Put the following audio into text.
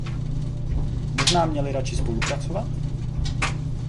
Možná měli radši spolupracovat?